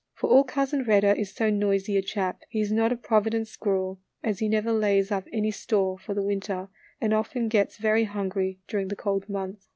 For all Cousin Redder is so noisy a chap, he is not a provident squirrel, as he never lays up any store for the winter, and often gets very hungry during the cold months.